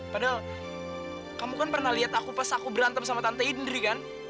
padahal kamu kan pernah lihat aku pas aku berantem sama tante indri kan